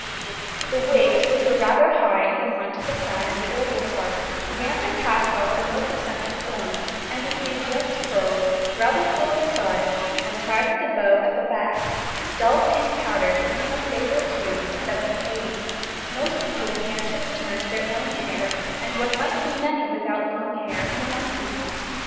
The wigs, which were rather high in the front of the crown in the earlier part, began to cast off the most eccentric forms, and became just curled, rather full at the sides, and tied with a bow at the back: dull pink powder became a favoured hue from about 1780; most people began to return to their own hair, and one might see many without long hair in the nineties.